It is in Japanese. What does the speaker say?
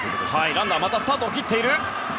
ランナーまたスタートを切っている！